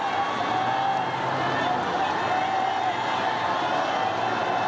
โอ้โอ้โอ้